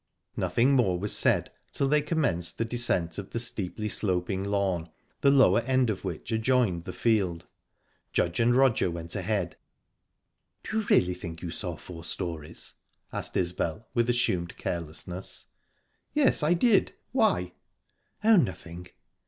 Nothing more was said till they commenced the descent of the steeply sloping lawn, the lower end of which adjoined the field. Judge and Roger went ahead. "Did you really think you saw four storeys?" asked Isbel with assumed carelessness. "Yes, I did. Why?" "Oh, nothing."